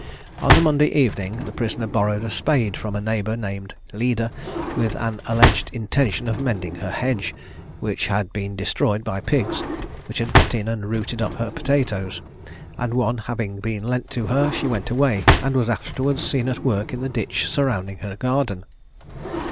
On the Monday evening the prisoner borrowed a spade from a neighbour named Leeder, with an alleged intention of mending her hedge, which had been destroyed by pigs, which had got in and rooted up her potatoes; and one having been lent to her, she went away, and was afterwards seen at work in the ditch surrounding her garden.